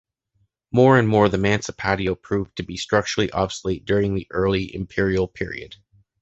More and more, the “mancipatio” proved to be structurally obsolete during the early imperial period.